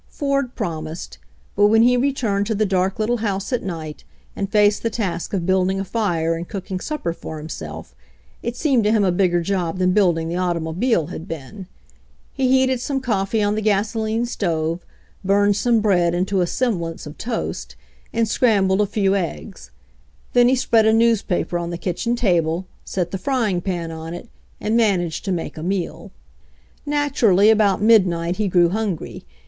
Ford promised, but when he returned to the dark little house at night and faced the task of building a fire and cooking supper for himself it seemed to him a bigger job than building the automobile had been. He heated some coffee on the gasoline stove, burned some bread into a semblance of toast, and scrambled a few eggs. Then he spread a newspaper on the kitchen table, set the frying pan on it, and managed to make a meal. Naturally about midnight he grew hungry.